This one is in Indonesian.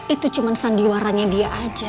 itu cuma sandiwaranya dia aja